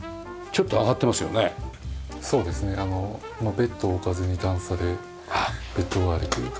ベッドを置かずに段差でベッド代わりというか。